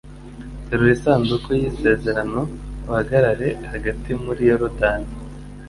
terura isanduku yisezerano uhagarare hagati muri yorodani